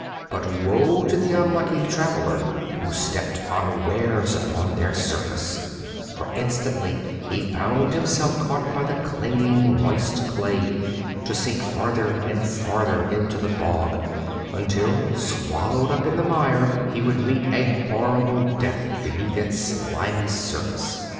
But woe to the unlucky traveler who stepped unawares upon their surface; for instantly he found himself caught by the clinging moist clay, to sink farther and farther into the bog until, swallowed up in the mire, he would meet a horrible death beneath its slimy surface.